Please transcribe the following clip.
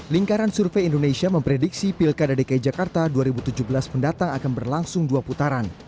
lingkaran survei indonesia memprediksi pilkada dki jakarta dua ribu tujuh belas mendatang akan berlangsung dua putaran